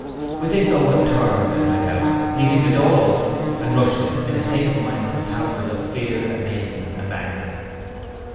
With this Owen turned and went out, leaving the door open, and Rushton in a state of mind compounded of fear, amazement and anger.